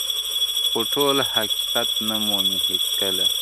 خو ټول حقيقت نه مومي هېڅکله,